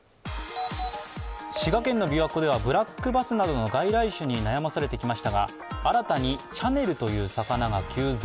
滋賀県の琵琶湖ではブラックバスなどの外来種に悩まされてきましたが新たにチャネルという魚が急増。